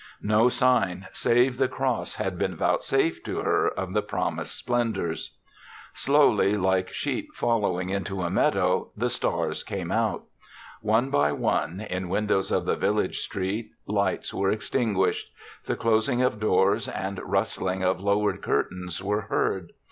No sign save the cross i8 THE SEVENTH CHRISTMAS had been vouchsafed to her of the promised splendors. Slowly, like sheep following into a meadow, the stars came out. One by one, in windows of the village street, lights were extinguished. The clos ing of doors and rustling of lowered curtains were heard.